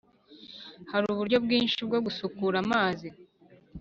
Hari uburyo bwinshi bwo gusukura amazi.